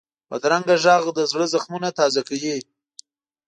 بدرنګه غږ د زړه زخمونه تازه کوي